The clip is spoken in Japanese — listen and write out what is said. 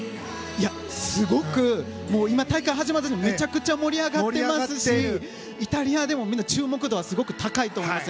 大会始まってめちゃくちゃ盛り上がっていますしイタリアでも注目度はすごく高いと思いますね。